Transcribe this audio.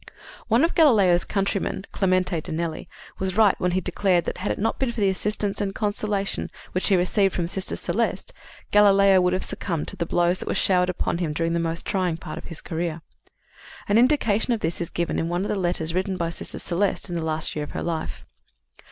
One of Galileo's countrymen, G. B. Clemente de Nelli, was right when he declared that, had it not been for the assistance and consolation which he received from Sister Celeste, Galileo would have succumbed to the blows that were showered upon him during the most trying part of his career. An indication of this is given in one of the letters written by Sister Celeste in the last year of her life.